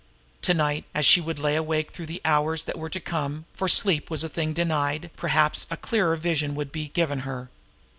To night, as she would lay awake through the hours that were to come, for sleep was a thing denied, perhaps a clearer vision would be given her.